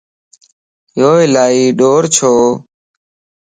يو الائي ڏور ڇو؟